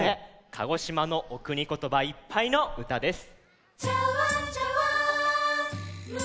鹿児島のおくにことばいっぱいのうたです。